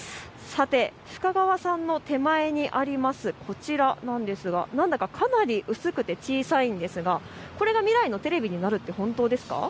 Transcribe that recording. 深川さんの手前にあるこちらなんですが、何だかかなり薄くて小さいですが、これが未来のテレビになるって本当ですか。